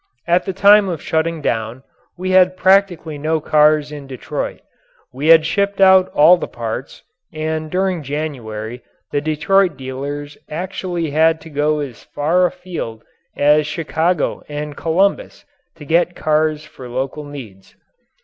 At the time of shutting down we had practically no cars in Detroit. We had shipped out all the parts, and during January the Detroit dealers actually had to go as far a field as Chicago and Columbus to get cars for local needs.